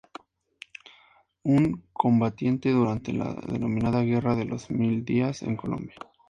Un combatiente durante la denominada Guerra de los Mil Días en Colombia.